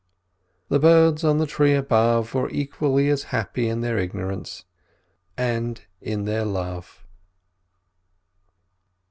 The birds on the tree above were equally as happy in their ignorance, and in their love.